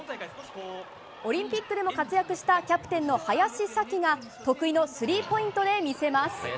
オリンピックでも活躍したキャプテンの林咲希が得意のスリーポイントで見せます。